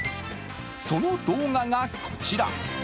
その動画がこちら。